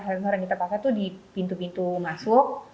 sensor yang kita pakai itu di pintu pintu masuk